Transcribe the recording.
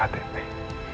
kamu gak punya ktp